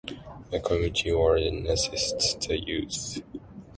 A Community Warden assists the youths.